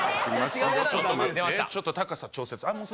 ちょっと高さ調節